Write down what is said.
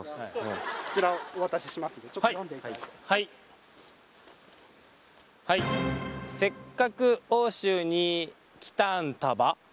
こちらお渡ししますんでちょっと読んでいただいてはい「せっかく奥州に来たんだば」